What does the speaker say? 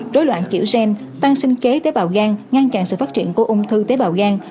rối loạn kiểu gen tăng sinh kế tế bào gan ngăn chặn sự phát triển của ung thư tế bào gan